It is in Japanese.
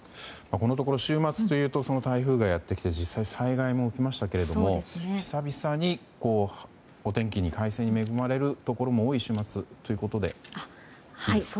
このところ、週末というと台風がやってきて災害が起きましたが久々にお天気に快晴に恵まれるところも多い週末ということで。